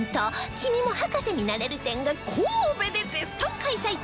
「君も博士になれる展」が神戸で絶賛開催中